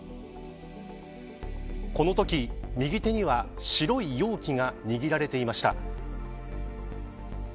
このとき右手には白い容器が握られていました。